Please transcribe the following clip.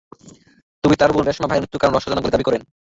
তবে তাঁর বোন রেশমা ভাইয়ের মৃত্যুর কারণ রহস্যজনক বলে দাবি করেন।